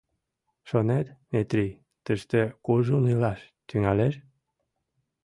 — Шонет, Метрий тыште кужун илаш тӱҥалеш?